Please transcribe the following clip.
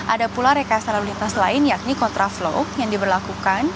ada pula rekayasa lalu lintas lain yakni kontraflow yang diberlakukan